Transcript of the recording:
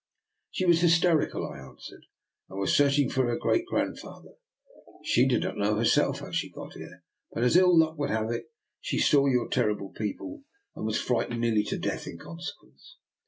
"" She was hysterical," I answered, " and was searching for her great grandfather. She did not know, herself, how she got here; but, as ill luck would have it, she saw your terrible people, and was frightened nearly to death in consequence.